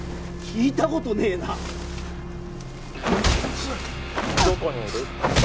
聞いたことねえなどこにいる？